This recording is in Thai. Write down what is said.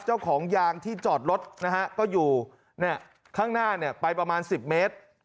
เจ้าของยางที่จอดรถนะฮะก็อยู่ข้างหน้าไปประมาณ๑๐เมตร